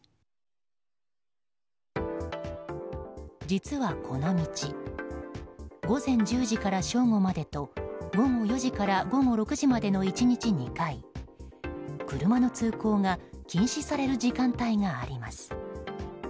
実は、この道午前１０時から正午までと午後４時から午後６時までの１日２回車の通行が禁止される時間帯があります。